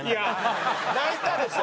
泣いたでしょ？